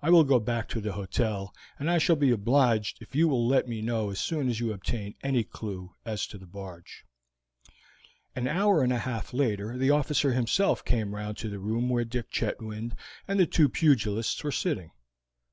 I will go back to the hotel, and I shall be obliged if you will let me know as soon as you obtain any clew as to the barge." An hour and a half later the officer himself came round to the room where Dick Chetwynd and the two pugilists were sitting.